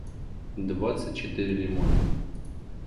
двадцать четыре лимона